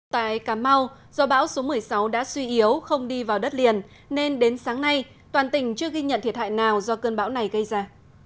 tại cà mau do bão số một mươi sáu đã suy yếu không đi vào đất liền nên đến sáng nay toàn tỉnh chưa ghi nhận thiệt hại nào do cơn bão này gây ra